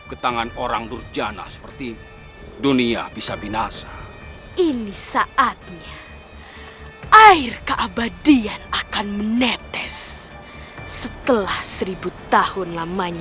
ke tangan orang berjana seperti dunia bisa binasa ini saatnya air keabadian akan menetes setelah seribu tahun lamanya